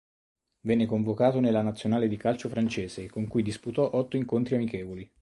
Venne convocato nella nazionale di calcio francese, con cui disputò otto incontri amichevoli.